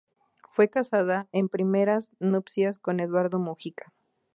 Fue casado en primeras nupcias con Eduarda Mujica.